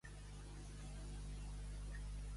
Creieu en Déu i feu el que vulgueu.